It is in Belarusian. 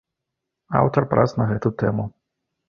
Аўтар прац на гэту тэму.